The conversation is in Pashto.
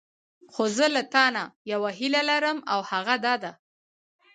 خو زه له تانه یوه هیله لرم او هغه دا ده.